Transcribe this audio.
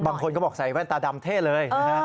บางคนก็บอกใส่แว่นตาดำเท่เลย